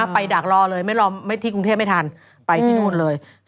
ดักรอเลยที่กรุงเทพไม่ทันไปที่นู่นเลย